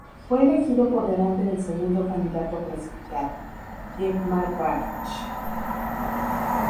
Fue elegido por delante del segundo candidato clasificado, Dietmar Bartsch.